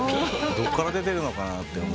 どっから出てるのかなって。